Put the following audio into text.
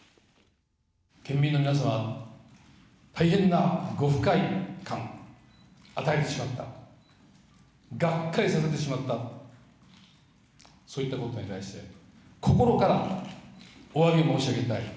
県民の皆様、大変なご不快感与えてしまった、がっかりさせてしまった、そういったことに対して、心からおわび申し上げたい。